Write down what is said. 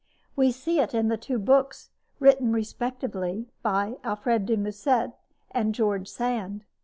We see it in the two books written respectively by Alfred de Musset and George Sand.